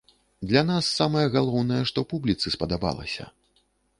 Для нас самае галоўнае, што публіцы спадабалася.